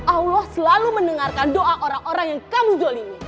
allah selalu mendengarkan doa orang orang yang kamu zolimi